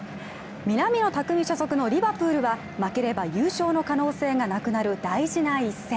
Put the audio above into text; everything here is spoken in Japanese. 南野拓実所属のリヴァプールは負ければ優勝の可能性がなくなる大事な一戦。